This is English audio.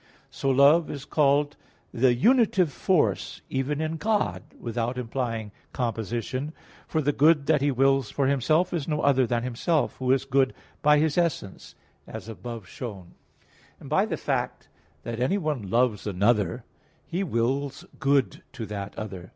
So love is called the unitive force, even in God, yet without implying composition; for the good that He wills for Himself, is no other than Himself, Who is good by His essence, as above shown (Q. 6, AA. 1, 3). And by the fact that anyone loves another, he wills good to that other.